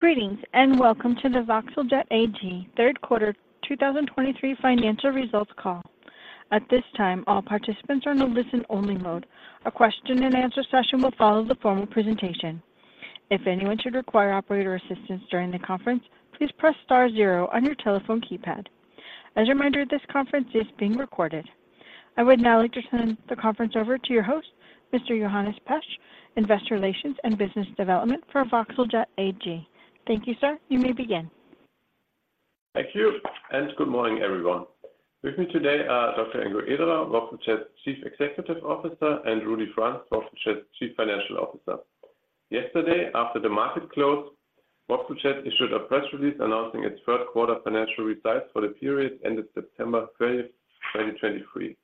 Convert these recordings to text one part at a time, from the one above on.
Greetings, and welcome to the voxeljet AG Q3 2023 financial results call. At this time, all participants are in a listen-only mode. A question and answer session will follow the formal presentation. If anyone should require operator assistance during the conference, please press star zero on your telephone keypad. As a reminder, this conference is being recorded. I would now like to turn the conference over to your host, Mr. Johannes Pesch, Investor Relations and Business Development for voxeljet AG. Thank you, sir. You may begin. Thank you, and good morning, everyone. With me today are Dr. Ingo Ederer, voxeljet's Chief Executive Officer, and Rudi Franz, voxeljet's Chief Financial Officer. Yesterday, after the market closed, voxeljet issued a press release announcing its Q3 financial results for the period ended September 30, 2023.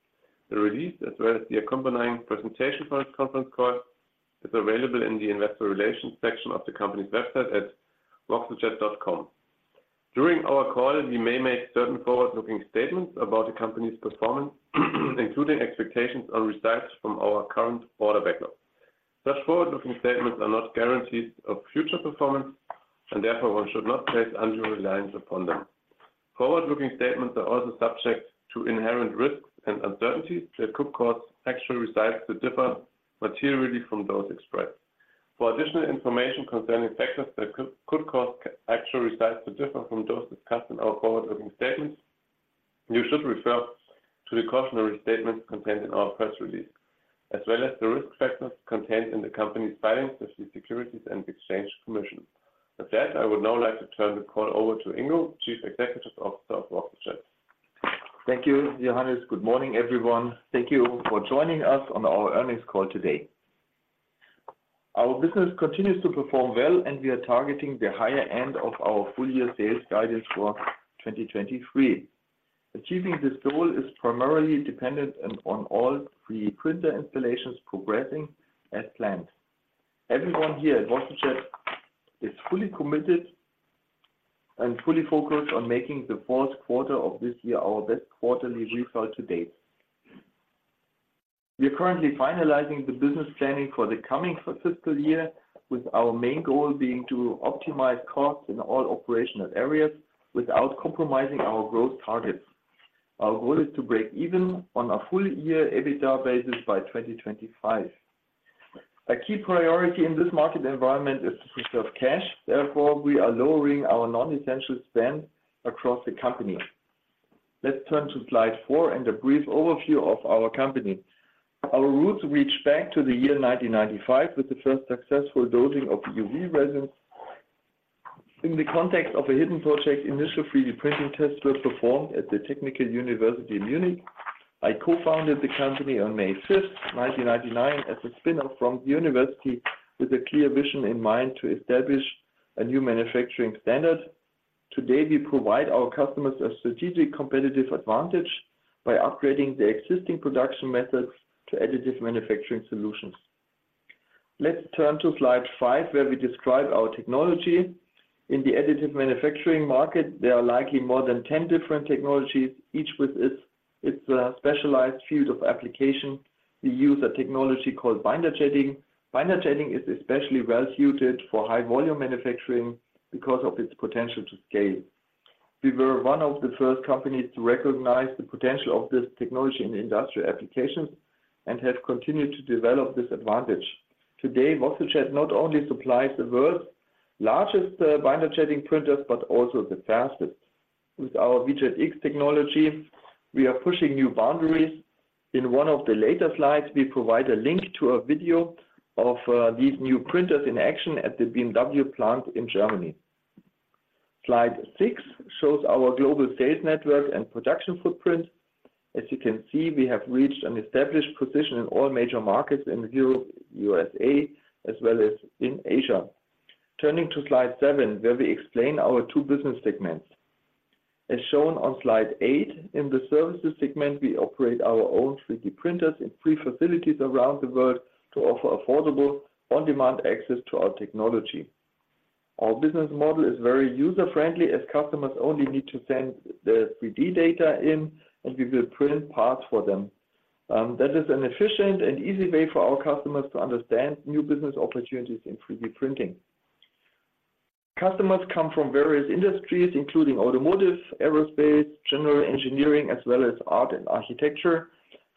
The release, as well as the accompanying presentation for this conference call, is available in the Investor Relations section of the company's website at voxeljet.com. During our call, we may make certain forward-looking statements about the company's performance, including expectations on results from our current order backlog. Such forward-looking statements are not guarantees of future performance, and therefore one should not place undue reliance upon them. Forward-looking statements are also subject to inherent risks and uncertainties that could cause actual results to differ materially from those expressed. For additional information concerning factors that could cause actual results to differ from those discussed in our forward-looking statements, you should refer to the cautionary statements contained in our press release, as well as the risk factors contained in the company's filings with the Securities and Exchange Commission. With that, I would now like to turn the call over to Ingo, Chief Executive Officer of voxeljet. Thank you, Johannes. Good morning, everyone. Thank you for joining us on our earnings call today. Our business continues to perform well, and we are targeting the higher end of our full-year sales guidance for 2023. Achieving this goal is primarily dependent on all 3D printer installations progressing as planned. Everyone here at voxeljet is fully committed and fully focused on making the Q4 of this year our best quarterly result to date. We are currently finalizing the business planning for the coming fiscal year, with our main goal being to optimize costs in all operational areas without compromising our growth targets. Our goal is to break even on a full-year EBITDA basis by 2025. A key priority in this market environment is to preserve cash. Therefore, we are lowering our non-essential spend across the company. Let's turn to slide four and a brief overview of our company. Our roots reach back to the year 1995, with the first successful dosing of UV resins. In the context of a hidden project, initial 3D printing tests were performed at the Technical University of Munich. I co-founded the company on May 5, 1999, as a spin-off from the university, with a clear vision in mind to establish a new manufacturing standard. Today, we provide our customers a strategic competitive advantage by upgrading their existing production methods to additive manufacturing solutions. Let's turn to slide five, where we describe our technology. In the additive manufacturing market, there are likely more than 10 different technologies, each with its specialized field of application. We use a technology called Binder Jetting. Binder Jetting is especially well-suited for high-volume manufacturing because of its potential to scale. We were one of the first companies to recognize the potential of this technology in industrial applications and have continued to develop this advantage. Today, voxeljet not only supplies the world's largest binder jetting printers, but also the fastest. With our VJET X technology, we are pushing new boundaries. In one of the later slides, we provide a link to a video of these new printers in action at the BMW plant in Germany. Slide six shows our global sales network and production footprint. As you can see, we have reached an established position in all major markets in Europe, USA, as well as in Asia. Turning to slide seven, where we explain our two business segments. As shown on slide eight, in the services segment, we operate our own 3D printers in three facilities around the world to offer affordable, on-demand access to our technology. Our business model is very user-friendly, as customers only need to send the 3D data in, and we will print parts for them. That is an efficient and easy way for our customers to understand new business opportunities in 3D printing. Customers come from various industries, including automotive, aerospace, general engineering, as well as art and architecture.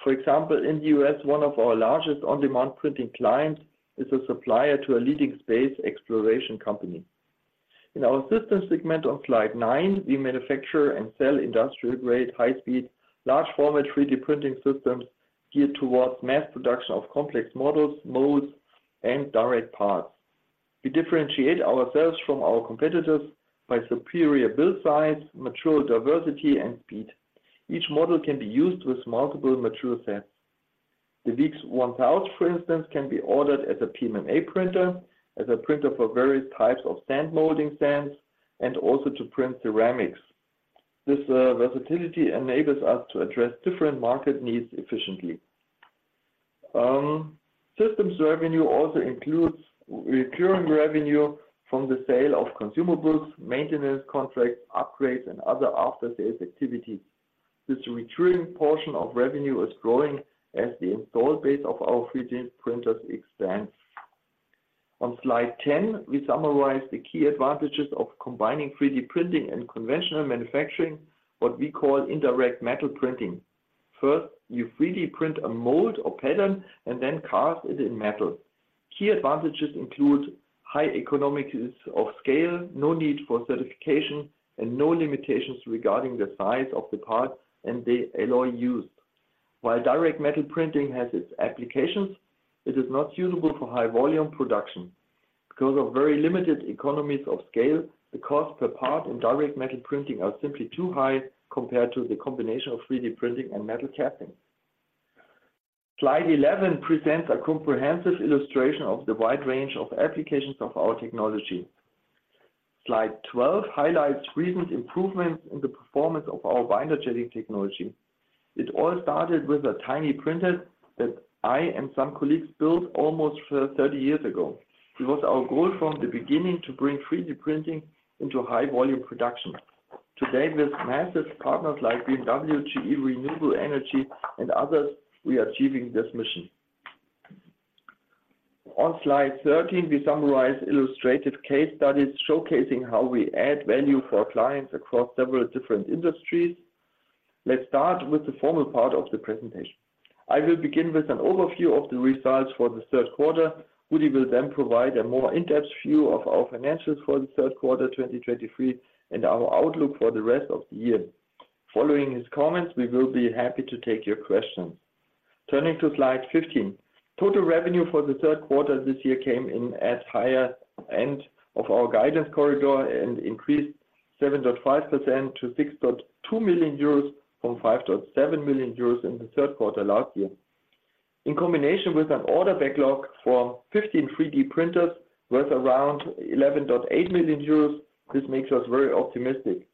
For example, in the U.S., one of our largest on-demand printing clients is a supplier to a leading space exploration company. In our system segment on slide nine, we manufacture and sell industrial-grade, high-speed, large-format 3D printing systems geared towards mass production of complex models, molds, and direct parts. We differentiate ourselves from our competitors by superior build size, material diversity, and speed. Each model can be used with multiple material sets. The VX1000, for instance, can be ordered as a PMMA printer, as a printer for various types of sand molding sands, and also to print ceramics. This versatility enables us to address different market needs efficiently. Systems revenue also includes recurring revenue from the sale of consumables, maintenance contracts, upgrades, and other after-sales activities. This recurring portion of revenue is growing as the install base of our 3D printers expands. On slide 10, we summarize the key advantages of combining 3D printing and conventional manufacturing, what we call indirect metal printing. First, you 3D print a mold or pattern and then cast it in metal. Key advantages include high economics of scale, no need for certification, and no limitations regarding the size of the part and the alloy used. While direct metal printing has its applications, it is not suitable for high volume production. Because of very limited economies of scale, the cost per part in direct metal printing are simply too high compared to the combination of 3D printing and metal casting. Slide 11 presents a comprehensive illustration of the wide range of applications of our technology. Slide 12 highlights recent improvements in the performance of our binder jetting technology. It all started with a tiny printer that I and some colleagues built almost thirty years ago. It was our goal from the beginning to bring 3D printing into high volume production. Today, with massive partners like BMW, GE Renewable Energy, and others, we are achieving this mission. On slide 13, we summarize illustrated case studies showcasing how we add value for our clients across several different industries. Let's start with the formal part of the presentation. I will begin with an overview of the results for the Q3. Rudi will then provide a more in-depth view of our financials for the Q3, 2023, and our outlook for the rest of the year. Following his comments, we will be happy to take your questions. Turning to slide 15. Total revenue for the Q3 this year came in at higher end of our guidance corridor and increased 7.5% to 6.2 million euros from 5.7 million euros in the Q3 last year. In combination with an order backlog for 15 3D printers worth around 11.8 million euros, this makes us very optimistic.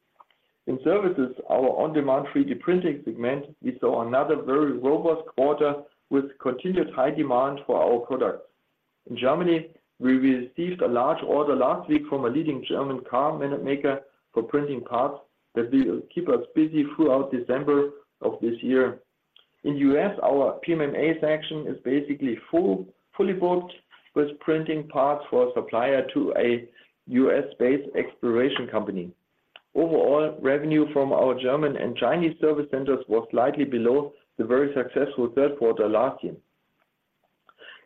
In services, our on-demand 3D printing segment, we saw another very robust quarter with continued high demand for our products. In Germany, we received a large order last week from a leading German car maker for printing parts that will keep us busy throughout December of this year. In U.S., our PMMA section is basically fully booked with printing parts for a supplier to a U.S.-based exploration company. Overall, revenue from our German and Chinese service centers was slightly below the very successful Q3 last year.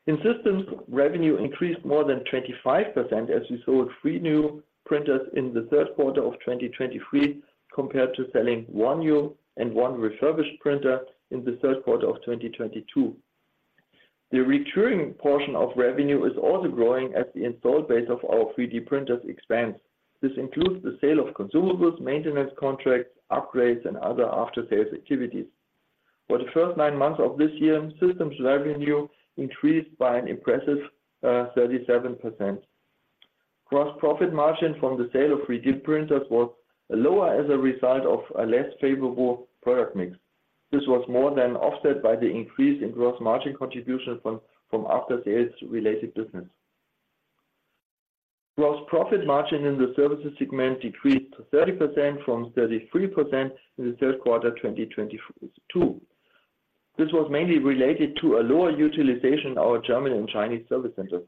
In systems, revenue increased more than 25% as we sold 3 new printers in the Q3 of 2023, compared to selling 1 new and 1 refurbished printer in the Q3 of 2022. The recurring portion of revenue is also growing as the install base of our 3D printers expands. This includes the sale of consumables, maintenance contracts, upgrades, and other after-sales activities. For the first nine months of this year, systems revenue increased by an impressive 37%. Gross profit margin from the sale of 3D printers was lower as a result of a less favorable product mix. This was more than offset by the increase in gross margin contribution from after-sales related business. Gross profit margin in the services segment decreased to 30% from 33% in the Q3, 2022. This was mainly related to a lower utilization in our German and Chinese service centers.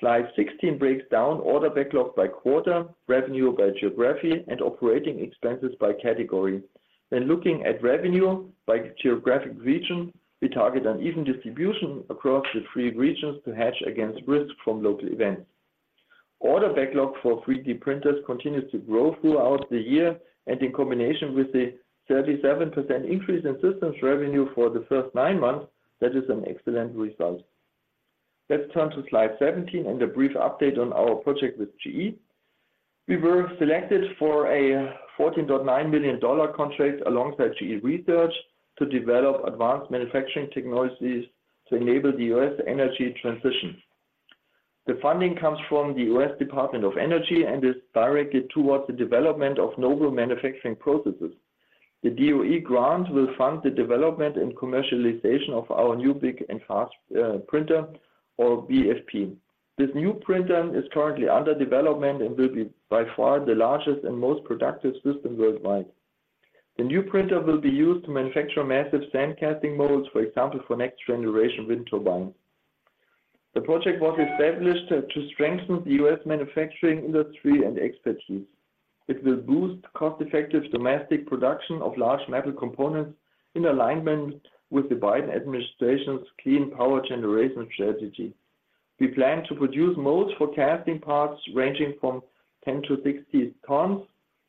Slide 16 breaks down order backlogs by quarter, revenue by geography, and operating expenses by category. When looking at revenue by geographic region, we target an even distribution across the three regions to hedge against risk from local events. Order backlog for 3D printers continues to grow throughout the year, and in combination with the 37% increase in systems revenue for the first nine months, that is an excellent result. Let's turn to slide 17 and a brief update on our project with GE. We were selected for a $14.9 million contract alongside GE Research to develop advanced manufacturing technologies to enable the U.S. energy transition. The funding comes from the U.S. Department of Energy and is directed towards the development of novel manufacturing processes. The DOE grant will fund the development and commercialization of our new big and fast printer, or BFP. This new printer is currently under development and will be by far the largest and most productive system worldwide. The new printer will be used to manufacture massive sand casting molds, for example, for next generation wind turbines. The project was established to strengthen the U.S. manufacturing industry and expertise. It will boost cost-effective domestic production of large metal components in alignment with the Biden administration's clean power generation strategy. We plan to produce molds for casting parts ranging from 10-60 tons,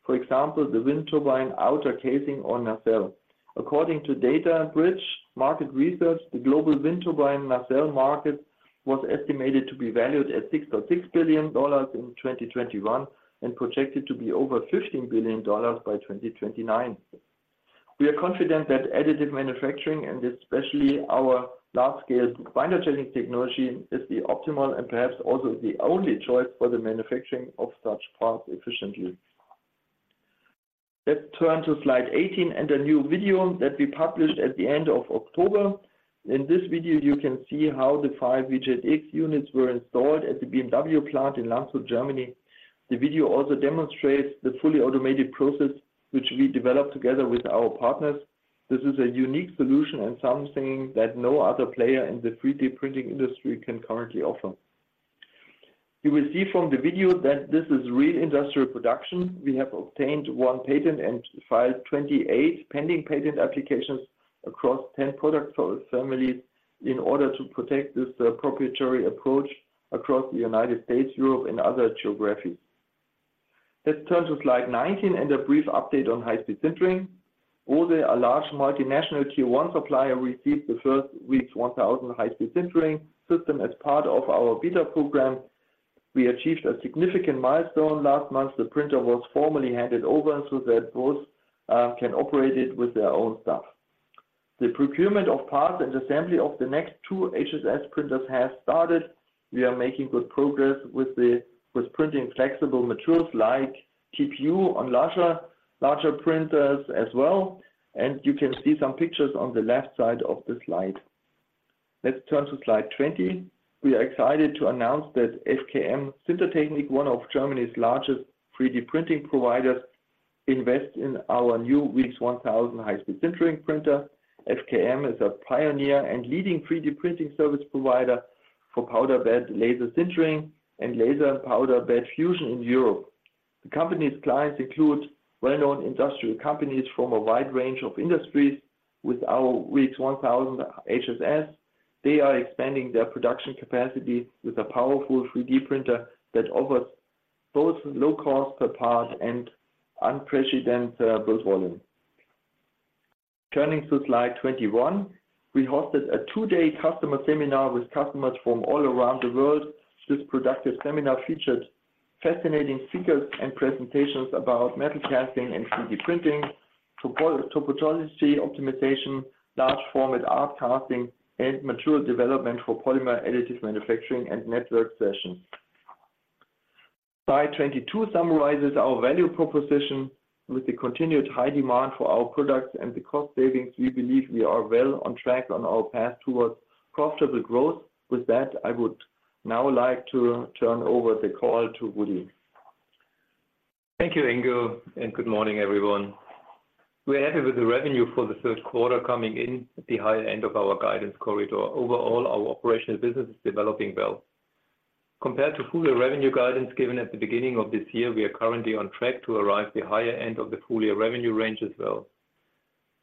for example, the wind turbine outer casing or nacelle. According to Data Bridge Market Research, the global wind turbine nacelle market was estimated to be valued at $6.6 billion in 2021 and projected to be over $15 billion by 2029. We are confident that Additive Manufacturing, and especially our large-scale Binder Jetting technology, is the optimal and perhaps also the only choice for the manufacturing of such parts efficiently. Let's turn to slide 18 and a new video that we published at the end of October. In this video, you can see how the five VJET X units were installed at the BMW plant in Landshut, Germany. The video also demonstrates the fully automated process which we developed together with our partners. This is a unique solution and something that no other player in the 3D printing industry can currently offer. You will see from the video that this is real industrial production. We have obtained one patent and filed 28 pending patent applications across 10 product families in order to protect this proprietary approach across the United States, Europe, and other geographies. Let's turn to slide 19 and a brief update on high-speed sintering. Bose, a large multinational tier one supplier, received the first VX1000 high-speed sintering system as part of our beta program. We achieved a significant milestone last month. The printer was formally handed over so that Bose can operate it with their own staff. The procurement of parts and assembly of the next two HSS printers has started. We are making good progress with printing flexible materials like TPU on larger printers as well, and you can see some pictures on the left side of the slide. Let's turn to slide 20. We are excited to announce that FKM Sintertechnik, one of Germany's largest 3D printing providers, invest in our new VX1000 high-speed sintering printer. FKM is a pioneer and leading 3D printing service provider for powder bed laser sintering and laser powder bed fusion in Europe. The company's clients include well-known industrial companies from a wide range of industries. With our VX1000 HSS, they are expanding their production capacity with a powerful 3D printer that offers both low cost per part and unprecedented build volume. Turning to slide 21, we hosted a two-day customer seminar with customers from all around the world. This productive seminar featured fascinating speakers and presentations about metal casting and 3D printing, topology optimization, large format art casting, and material development for polymer, additive manufacturing, and network sessions. Slide 22 summarizes our value proposition. With the continued high demand for our products and the cost savings, we believe we are well on track on our path towards profitable growth. With that, I would now like to turn over the call to Rudi. Thank you, Ingo, and good morning, everyone. We are happy with the revenue for the Q3 coming in at the higher end of our guidance corridor. Overall, our operational business is developing well. Compared to full-year revenue guidance given at the beginning of this year, we are currently on track to arrive the higher end of the full-year revenue range as well.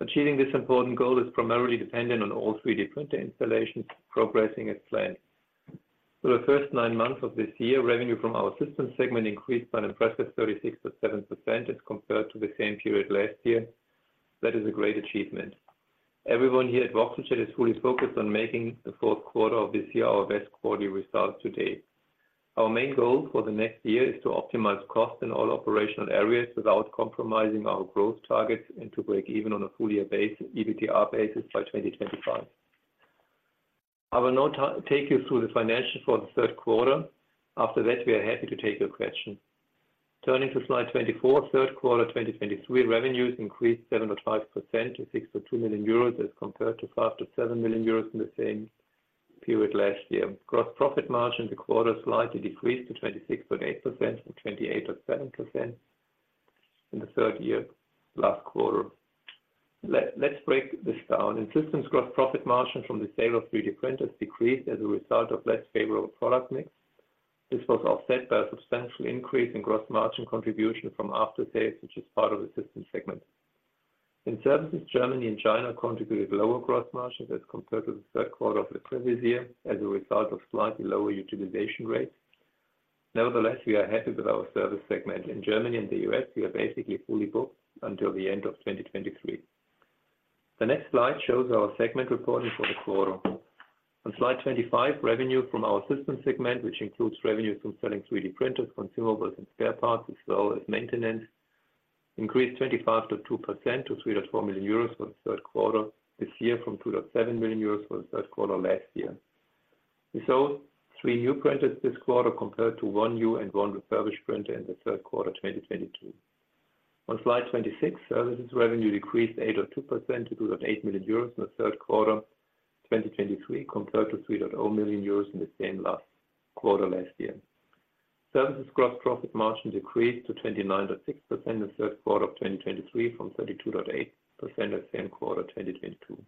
Achieving this important goal is primarily dependent on all 3D printer installations progressing as planned. For the first nine months of this year, revenue from our system segment increased by an impressive 36.7% as compared to the same period last year. That is a great achievement. Everyone here at voxeljet is fully focused on making the Q4 of this year our best quarter results to date. Our main goal for the next year is to optimize costs in all operational areas without compromising our growth targets and to break even on a full-year basis, EBITDA basis by 2025. I will now take you through the financials for the Q3. After that, we are happy to take your questions. Turning to slide 24, Q3 2023 revenues increased 7.5% to 6.2 million euros as compared to 5-7 million euros in the same period last year. Gross profit margin for the quarter slightly decreased to 26.8% from 28.7% in the Q3 last year. Let's break this down. In systems, gross profit margin from the sale of 3D printers decreased as a result of less favorable product mix. This was offset by a substantial increase in gross margin contribution from after sales, which is part of the system segment. In services, Germany and China contributed lower gross margins as compared to the Q3 of the previous year as a result of slightly lower utilization rates. Nevertheless, we are happy with our service segment. In Germany and the U.S., we are basically fully booked until the end of 2023. The next slide shows our segment reporting for the quarter. On slide 25, revenue from our system segment, which includes revenues from selling 3D printers, consumables, and spare parts, as well as maintenance, increased 25.2% to 3.4 million euros for the Q3 this year from 2.7 million euros for the Q3 last year. We sold 3 new printers this quarter, compared to 1 new and 1 refurbished printer in the Q3, 2022. On slide 26, services revenue decreased 8.2% to 2.8 million euros in the Q3 2023, compared to 3.0 million euros in the same last quarter last year. Services gross profit margin decreased to 29.6% in the third quarter of 2023 from 32.8% the same quarter, 2022.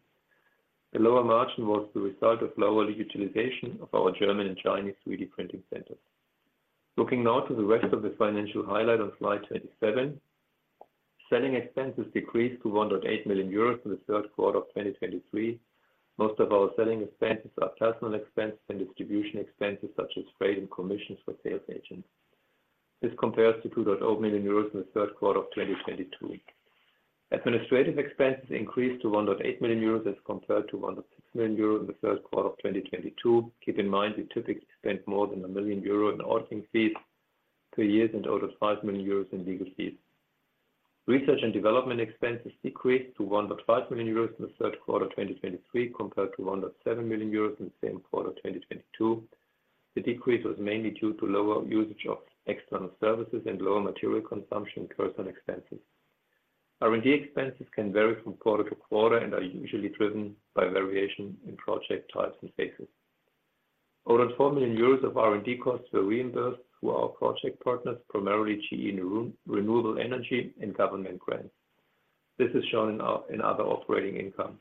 The lower margin was the result of lower utilization of our German and Chinese 3D printing centers. Looking now to the rest of the financial highlight on slide 27, selling expenses decreased to 1.8 million euros in the Q3 of 2023. Most of our selling expenses are personal expenses and distribution expenses, such as freight and commissions for sales agents. This compares to 2.0 million euros in the Q3 of 2022. Administrative expenses increased to 1.8 million euros as compared to 1.6 million euros in the Q3 of 2022. Keep in mind, we typically spend more than 1 million euros in auditing fees per year and out of 5 million euros in legal fees. Research and development expenses decreased to 1.5 million euros in the Q3 of 2023, compared to 1.7 million euros in the same quarter of 2022. The decrease was mainly due to lower usage of external services and lower material consumption personal expenses. R&D expenses can vary from quarter to quarter and are usually driven by variation in project types and phases. Over 4 million euros of R&D costs were reimbursed through our project partners, primarily GE Renewable Energy and government grants. This is shown in other operating income.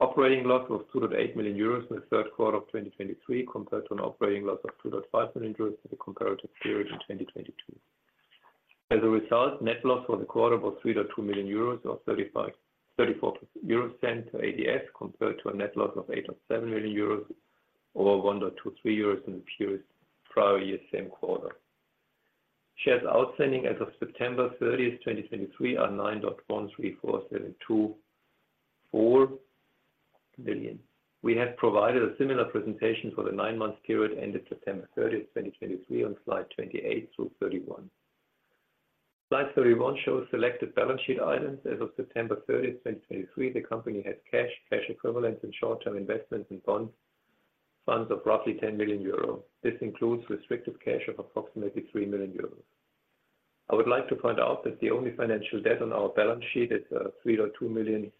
Operating loss was 2.8 million euros in the Q3 of 2023, compared to an operating loss of 2.5 million euros in the comparative period in 2022. As a result, net loss for the quarter was 3.2 million euros, or 0.34 euro cent to ADS, compared to a net loss of 8.7 million euros, or 1.23 euros in the period prior year same quarter. Shares outstanding as of September thirtieth, 2023, are 9.134724 million. We have provided a similar presentation for the nine-month period ended September thirtieth, 2023, on slide 28 through 31. Slide 31 shows selected balance sheet items. As of September 30, 2023, the company had cash, cash equivalents, and short-term investments in bond funds of roughly 10 million euro. This includes restricted cash of approximately 3 million euro. I would like to point out that the only financial debt on our balance sheet is a $3.2 million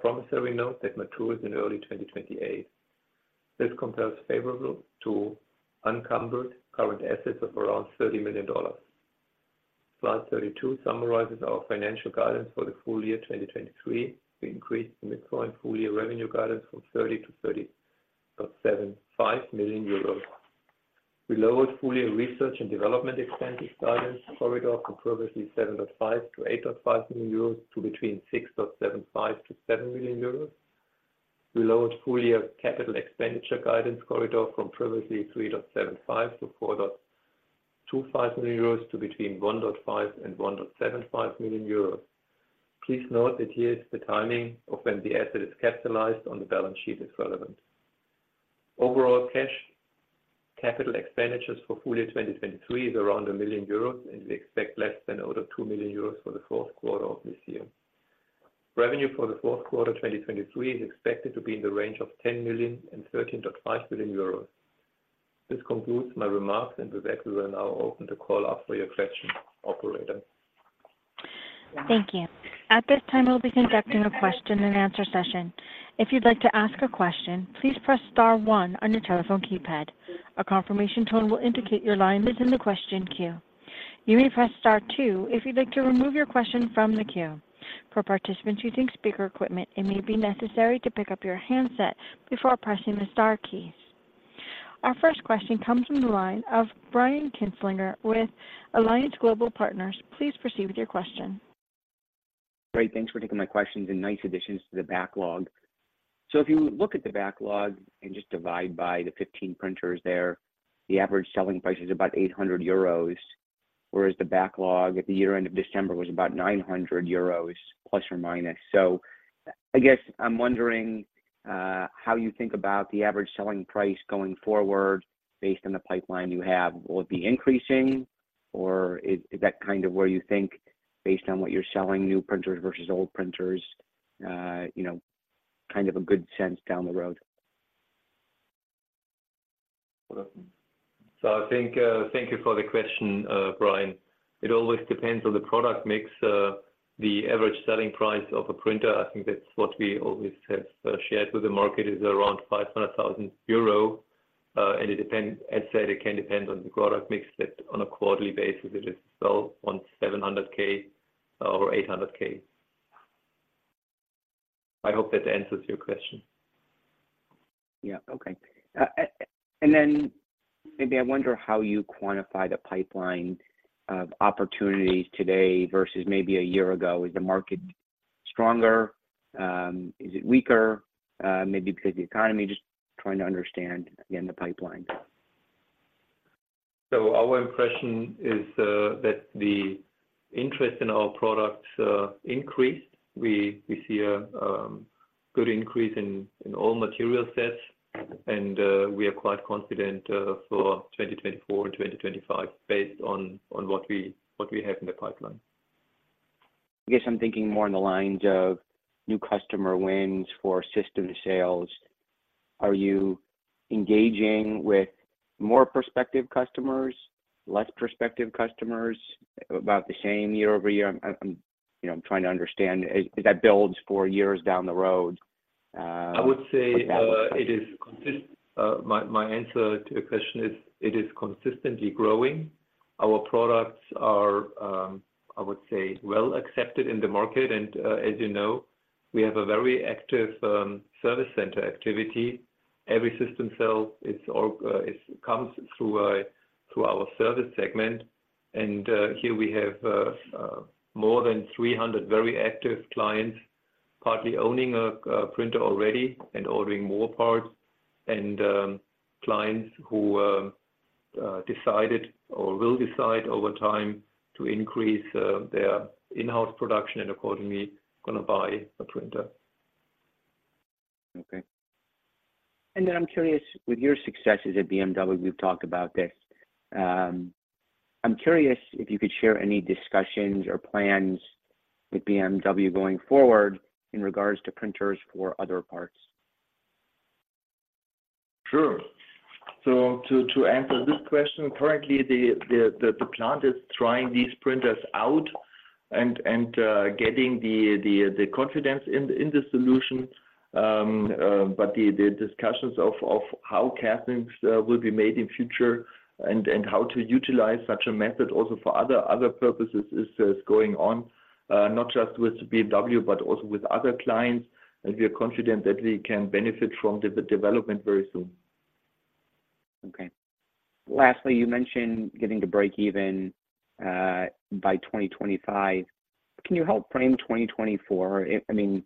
promissory note that matures in early 2028. This compares favorably to unencumbered current assets of around $30 million. Slide 32 summarizes our financial guidance for the full year 2023. We increased the midpoint full-year revenue guidance from 30 million to 30.75 million euros. We lowered full-year research and development expenses guidance corridor from previously 7.5 million-8.5 million euros to between 6.75 million-7 million euros. We lowered full-year capital expenditure guidance corridor from previously 3.75 million-4.25 million euros to between 1.5 million euros and 1.75 million euros. Please note that here, the timing of when the asset is capitalized on the balance sheet is relevant. Overall, cash capital expenditures for full year 2023 is around 1 million euros, and we expect less than 2 million euros for the Q4 of this year. Revenue for the Q4, 2023, is expected to be in the range of 10 million and 13.5 million euros. This concludes my remarks, and with that, we will now open the call up for your questions. Operator? Thank you. At this time, we'll be conducting a question and answer session. If you'd like to ask a question, please press star one on your telephone keypad. A confirmation tone will indicate your line is in the question queue. You may press star two if you'd like to remove your question from the queue. For participants using speaker equipment, it may be necessary to pick up your handset before pressing the star keys. Our first question comes from the line of Brian Kinstlinger with Alliance Global Partners. Please proceed with your question. Great, thanks for taking my questions and nice additions to the backlog. So if you look at the backlog and just divide by the 15 printers there, the average selling price is about 800 euros, whereas the backlog at the year end of December was about 900 euros ±. So I guess I'm wondering, how you think about the average selling price going forward based on the pipeline you have. Will it be increasing, or is that kind of where you think, based on what you're selling, new printers versus old printers, you know, kind of a good sense down the road? So I think, thank you for the question, Brian. It always depends on the product mix. The average selling price of a printer, I think that's what we always have shared with the market, is around 500,000 euro. And it depends. As I said, it can depend on the product mix, that on a quarterly basis, it is sold on 700,000 or 800,000. I hope that answers your question. Yeah. Okay. And then maybe I wonder how you quantify the pipeline of opportunities today versus maybe a year ago. Is the market stronger? Is it weaker, maybe because of the economy? Just trying to understand, again, the pipeline. So our impression is that the interest in our products increased. We, we see a good increase in, in all material sets, and we are quite confident for 2024 and 2025 based on, on what we, what we have in the pipeline. I guess I'm thinking more in the lines of new customer wins for system sales. Are you engaging with more prospective customers, less prospective customers? About the same year-over-year? I'm you know, I'm trying to understand as that builds for years down the road. I would say, it is consistently growing. My, my answer to your question is it is consistently growing. Our products are, I would say, well accepted in the market, and, as you know, we have a very active service center activity. Every system sell, it's all, it comes through through our service segment, and, here we have more than 300 very active clients, partly owning a printer already and ordering more parts and, clients who decided or will decide over time to increase their in-house production and accordingly going to buy a printer. Okay. Then I'm curious, with your successes at BMW, we've talked about this. I'm curious if you could share any discussions or plans with BMW going forward in regards to printers for other parts?... Sure. So to answer this question, currently, the plant is trying these printers out and getting the confidence in the solution. But the discussions of how castings will be made in future and how to utilize such a method also for other purposes is going on, not just with BMW, but also with other clients. And we are confident that we can benefit from the development very soon. Okay. Lastly, you mentioned getting to break even, by 2025. Can you help frame 2024? I mean,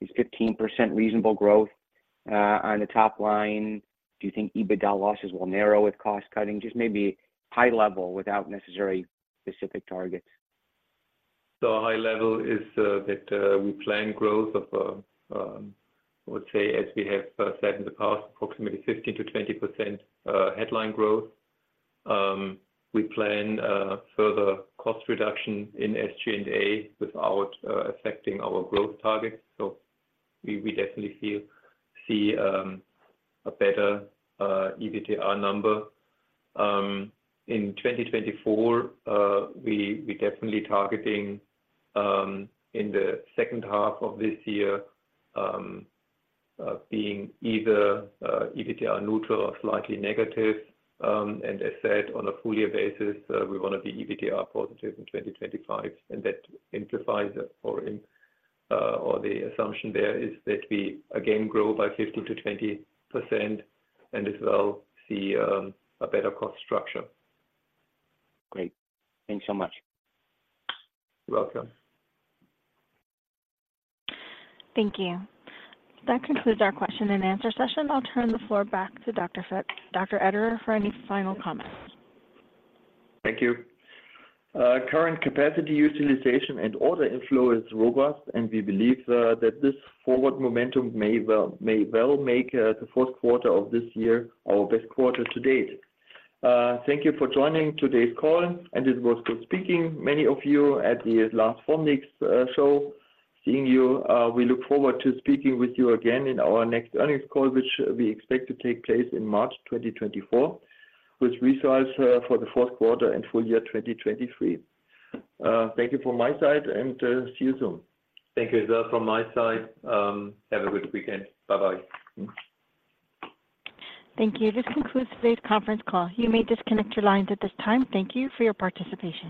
is 15% reasonable growth, on the top line? Do you think EBITDA losses will narrow with cost-cutting? Just maybe high level without necessary specific targets. So high level is that we plan growth of, I would say, as we have said in the past, approximately 15%-20% headline growth. We plan further cost reduction in SG&A without affecting our growth targets. So we definitely feel see a better EBITDA number. In 2024, we definitely targeting in the second half of this year being either EBITDA neutral or slightly negative. And as said, on a full year basis, we want to be EBITDA positive in 2025, and that implies or in or the assumption there is that we again grow by 15%-20%, and as well see a better cost structure. Great. Thanks so much. You're welcome. Thank you. That concludes our question and answer session. I'll turn the floor back to Dr. Pesch, Dr. Ederer, for any final comments. Thank you. Current capacity utilization and order inflow is robust, and we believe that this forward momentum may well, may well make the Q4 of this year our best quarter to date. Thank you for joining today's call, and it was good speaking, many of you at the last Formnext show, seeing you. We look forward to speaking with you again in our next earnings call, which we expect to take place in March twenty twenty-four, with results for the Q4 and full year, twenty twenty-three. Thank you from my side, and see you soon. Thank you as well from my side. Have a good weekend. Bye-bye. Thank you. This concludes today's conference call. You may disconnect your lines at this time. Thank you for your participation.